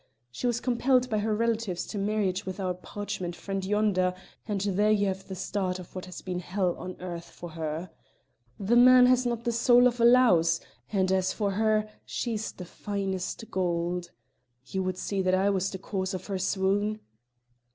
She was compelled by her relatives to marriage with our parchment friend yonder, and there you have the start of what has been hell on earth for her. The man has not the soul of a louse, and as for her, she's the finest gold! You would see that I was the cause of her swoon?"